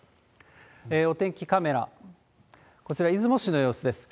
お天気カメラ、こちら、出雲市の様子です。